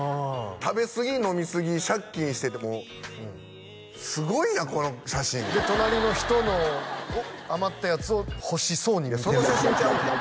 食べすぎ飲みすぎ借金しててもうすごいなこの写真隣の人の余ったやつを欲しそうに見てるその写真ちゃうねん